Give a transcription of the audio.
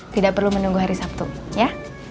tidak perlu menunggu hari sabtu ya